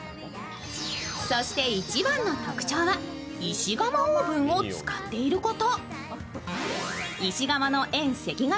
そして一番の特徴は、石窯オーブンを使っていること。